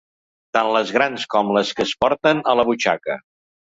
Tant les grans com les que es porten a la butxaca.